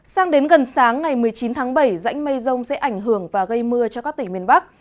sang đến gần sáng ngày một mươi chín tháng bảy rãnh mây rông sẽ ảnh hưởng và gây mưa cho các tỉnh miền bắc